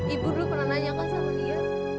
ibu dulu pernah nanyakan sama lia